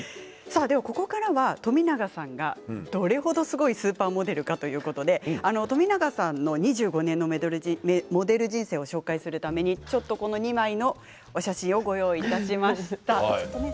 ここからは冨永さんがどれ程すごいスーパーモデルかということで２５年のモデル人生を紹介するために２枚のお写真を用意しました。